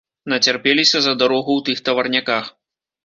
Нацярпеліся за дарогу ў тых таварняках.